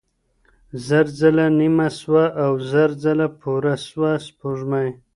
زر ځله نيمه سوه او زر ځله پوره سوه سپوږمۍ